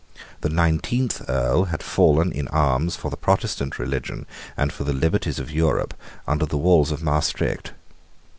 The nineteenth Earl had fallen in arms for the Protestant religion and for the liberties of Europe under the walls of Maastricht.